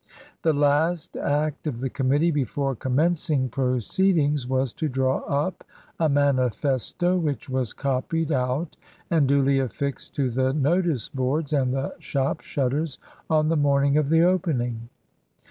The last act of the committee before commencing proceedings was to draw up a manifesto, which was copied out and duly affixed to the notice boards and the shop shutters on the morning of the opening.